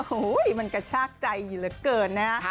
โห้ยก็ชากใจอยู่เหลือเกินนะ